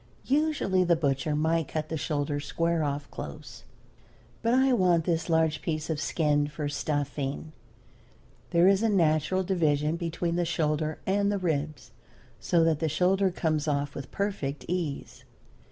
Usually the butcher might cut the shoulder square off close, but I want this large piece of skin for stuffing. There is a natural division between the shoulder and the ribs, so that the shoulder comes off with perfect ease.